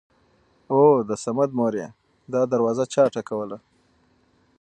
اوو د صمد مورې دا دروازه چا ټکوله!!